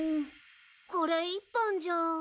これ一本じゃ。